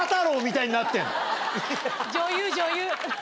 女優女優。